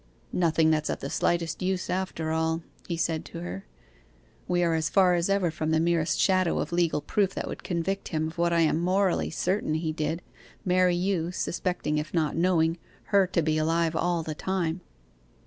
'Nothing that's of the slightest use, after all,' he said to her; 'we are as far as ever from the merest shadow of legal proof that would convict him of what I am morally certain he did, marry you, suspecting, if not knowing, her to be alive all the time.